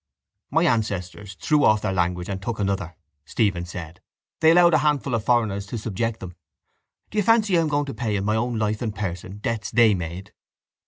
—My ancestors threw off their language and took another, Stephen said. They allowed a handful of foreigners to subject them. Do you fancy I am going to pay in my own life and person debts they made?